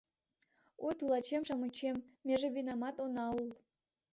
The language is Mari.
Ой, тулачем-шамычем, меже винамат она ул.